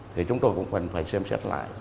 thì chúng tôi cũng cần phải xem xét lại